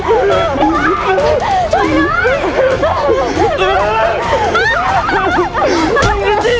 อุ๊ยอ่าอุ๊ยอันนี้เลย